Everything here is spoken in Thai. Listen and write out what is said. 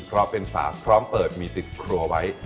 เพราะเป็นสาพร้อมเปิดมีติดครัวไว้